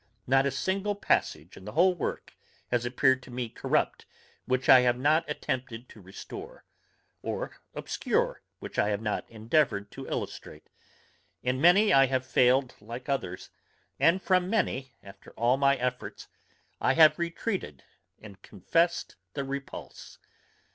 Not a single passage in the whole work has appeared to me corrupt, which I have not attempted to restore; or obscure, which I have not endeavoured to illustrate. In many I have failed like others, and from many, after all my efforts, I have retreated, and confessed the repulse.